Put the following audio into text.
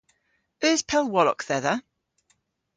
Eus pellwolok dhedha?